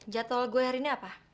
jadwal gue hari ini apa